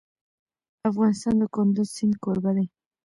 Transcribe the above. افغانستان د کندز سیند کوربه دی.